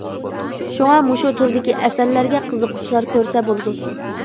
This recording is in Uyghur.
شۇڭا مۇشۇ تۈردىكى ئەسەرلەرگە قىزىققۇچىلار كۆرسە بولىدۇ.